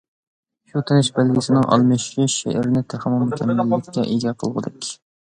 شۇ تىنىش بەلگىسىنىڭ ئالمىشىشى شېئىرنى تېخىمۇ مۇكەممەللىككە ئىگە قىلغۇدەك.